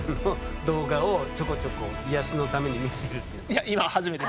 いや今初めて。